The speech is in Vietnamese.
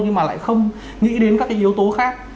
nhưng mà lại không nghĩ đến các cái yếu tố khác